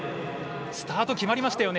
スタート、決まりましたよね。